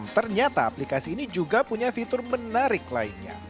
ternyata aplikasi ini juga punya fitur menarik lainnya